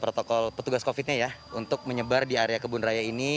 protokol petugas covid nya ya untuk menyebar di area kebun raya ini